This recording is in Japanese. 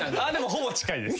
ほぼ近いです。